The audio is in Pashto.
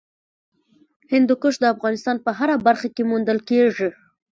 هندوکش د افغانستان په هره برخه کې موندل کېږي.